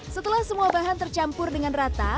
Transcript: setelah semua bahan tercampur dengan rata